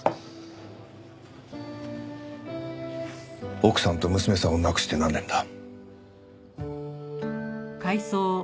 奥さんと娘さんを亡くして何年だ？